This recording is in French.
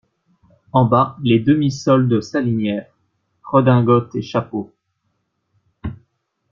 En bas, les demi-soldes s'alignèrent, redingotes et chapeaux.